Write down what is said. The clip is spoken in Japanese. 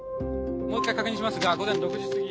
もう一回確認しますが午前６時すぎ。